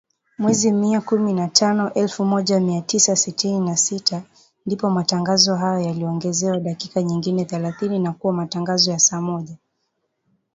Mwezi Mei, kumi na tano, elfu moja mia tisa sitini na sita, ndipo matangazo hayo yaliongezewa dakika nyingine thelathini na kuwa matangazo ya saa moja